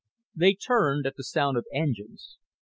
They turned at the sound of engines.